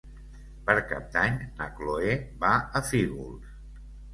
Per Cap d'Any na Cloè va a Fígols.